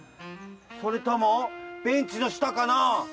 それともベンチのしたかな？